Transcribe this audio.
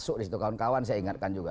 masuk di situ kawan kawan saya ingatkan juga